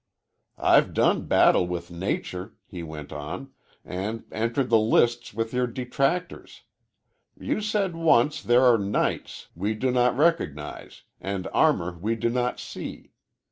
"I've done battle with nature," he went on, "and entered the lists with your detractors. You said once there are knights we do not recognize and armor we do not see.